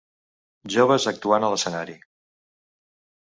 Joves actuant a l'escenari